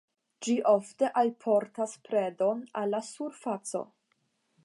Ĝi ofte alportas predon al la surfaco.